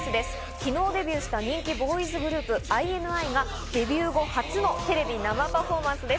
昨日デビューした人気ボーイズグループＩＮＩがデビュー後初のテレビ生パフォーマンスです。